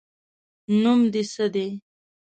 نوم دې څه ده؟